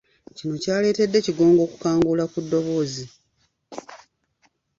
Kino kyaletedde Kigongo okukangula ku ddoboozi.